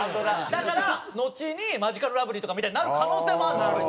だからのちにマヂカルラブリーとかみたいになる可能性もあるなと。